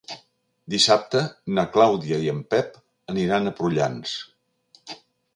Dissabte na Clàudia i en Pep aniran a Prullans.